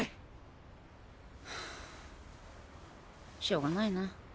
しょうがないな。